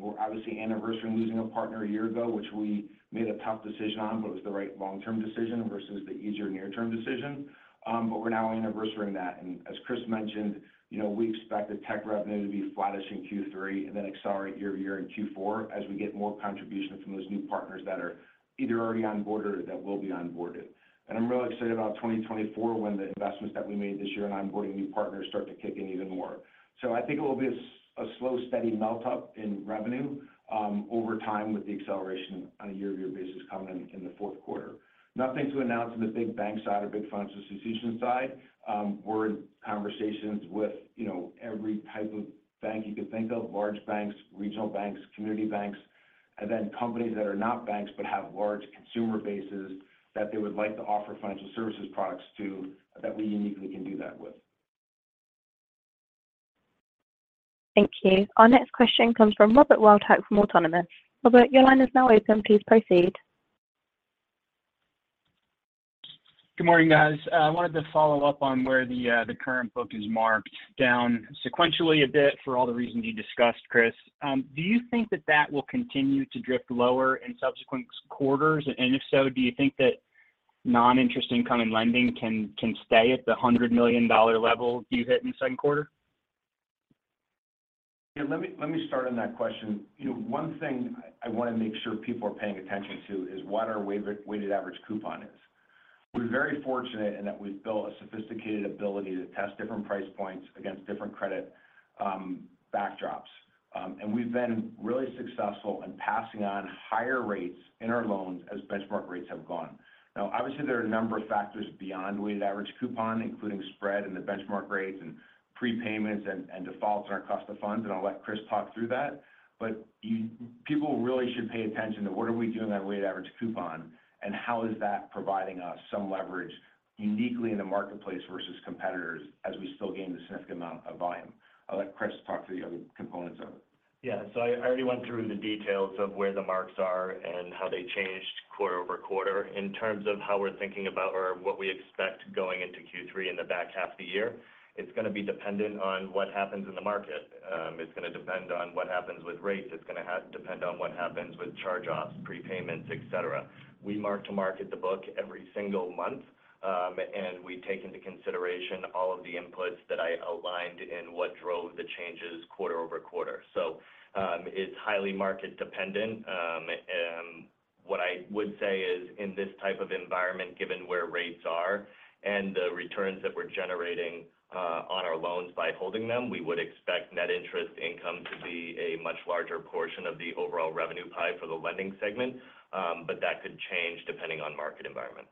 We're obviously anniversarying losing a partner a year ago, which we made a tough decision on, but it was the right long-term decision versus the easier near-term decision. We're now anniversarying that, and as Chris mentioned, you know, we expect the tech revenue to be flattish in Q3 and then accelerate year-over-year in Q4 as we get more contribution from those new partners that are either already on board or that will be onboarded. I'm really excited about 2024, when the investments that we made this year in onboarding new partners start to kick in even more. I think it will be a slow, steady melt up in revenue, over time, with the acceleration on a year-over-year basis coming in, in the Q4. Nothing to announce on the big bank side or big financial institution side. We're in conversations with, you know, every type of bank you could think of, large banks, regional banks, community banks, and then companies that are not banks, but have large consumer bases that they would like to offer financial services products to, that we uniquely can do that with. Thank you. Our next question comes from Robert Wildhack from Autonomous. Robert, your line is now open. Please proceed. Good morning, guys. I wanted to follow up on where the, the current book is marked down sequentially a bit for all the reasons you discussed, Chris. Do you think that that will continue to drift lower in subsequent quarters? And if so, do you think that non-interest income and lending can, can stay at the $100 million level you hit in the Q2? Yeah, let me, let me start on that question. You know, one thing I want to make sure people are paying attention to is what our weighted average coupon is. We're very fortunate in that we've built a sophisticated ability to test different price points against different credit backdrops. We've been really successful in passing on higher rates in our loans as benchmark rates have gone. Now, obviously, there are a number of factors beyond weighted average coupon, including spread and the benchmark rates and prepayments and, and defaults on our cost of funds. I'll let Chris talk through that. People really should pay attention to what are we doing on weighted average coupon, and how is that providing us some leverage uniquely in the marketplace versus competitors as we still gain a significant amount of volume. I'll let Chris talk through the other components of it. Yeah. I, I already went through the details of where the marks are and how they changed quarter-over-quarter. In terms of how we're thinking about or what we expect going into Q3 in the back half of the year, it's going to be dependent on what happens in the market. It's going to depend on what happens with rates. It's going to depend on what happens with charge-offs, prepayments, et cetera. We mark to market the book every single month, and we take into consideration all of the inputs that I aligned in what drove the changes quarter-over-quarter. It's highly market dependent. What I would say is, in this type of environment, given where rates are and the returns that we're generating, on our loans by holding them, we would expect net interest income to be a much larger portion of the overall revenue pie for the lending segment. That could change depending on market environment.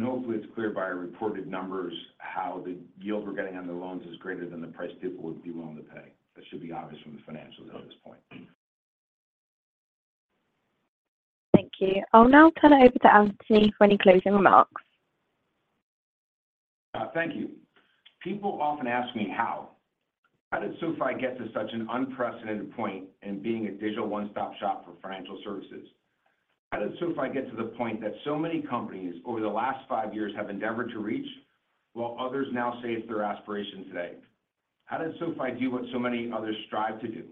Hopefully it's clear by our reported numbers how the yield we're getting on the loans is greater than the price people would be willing to pay. That should be obvious from the financials at this point. Thank you. I'll now turn it over to Anthony for any closing remarks. Thank you. People often ask me, how? How did SoFi get to such an unprecedented point in being a digital one-stop shop for financial services? How did SoFi get to the point that so many companies over the last five years have endeavored to reach, while others now say it's their aspiration today? How did SoFi do what so many others strive to do?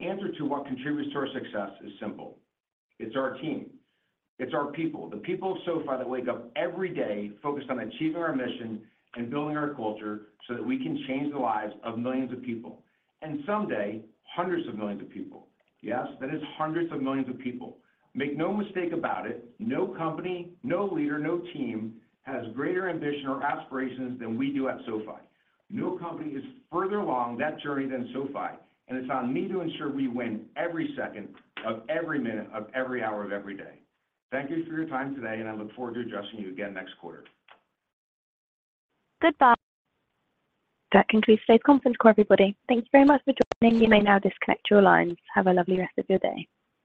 The answer to what contributes to our success is simple: It's our team. It's our people. The people of SoFi that wake up every day focused on achieving our mission and building our culture so that we can change the lives of millions of people, and someday, hundreds of millions of people. Yes, that is hundreds of millions of people. Make no mistake about it, no company, no leader, no team has greater ambition or aspirations than we do at SoFi. No company is further along that journey than SoFi, and it's on me to ensure we win every second of every minute of every hour of every day. Thank you for your time today, and I look forward to addressing you again next quarter. Goodbye. That concludes today's conference call, everybody. Thank you very much for joining. You may now disconnect your lines. Have a lovely rest of your day.